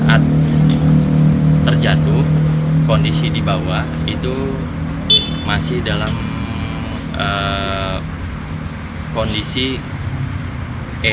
juga mata mata kemudian pada saat terjatuh kondisi di bawah itu masih dalam kondisi ea